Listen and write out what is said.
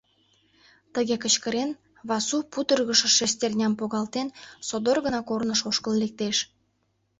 Тыге кычкырен, Васу, пудыргышо шестерням погалтен, содор гына корныш ошкыл лектеш.